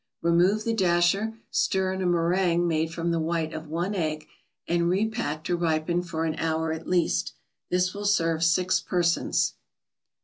Remove the dasher, stir in a meringue made from the white of one egg, and repack to ripen for an hour at least. This will serve six persons.